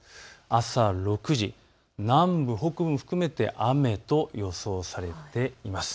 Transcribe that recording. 朝６時、南部、北部も含めて雨と予想されています。